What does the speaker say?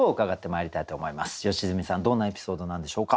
良純さんどんなエピソードなんでしょうか？